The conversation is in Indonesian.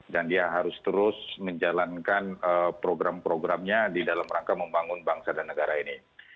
dan dia harus terus menjalankan program programnya di dalam rangka membangun bangsa dan negara ini